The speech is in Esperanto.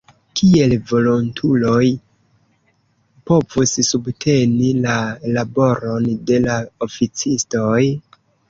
Kiel volontuloj povus subteni la laboron de la oficistoj?